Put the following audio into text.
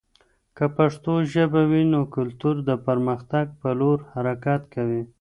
که پښتو ژبه وي، نو کلتور د پرمختګ په لور حرکت کوي.